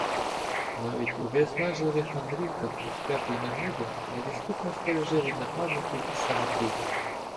Навіть у виснажливих мандрівках, у спеку й негоду невідступно стереже від нападників і самоти.